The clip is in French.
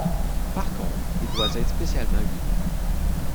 Par contre il doit être spécialement huilé.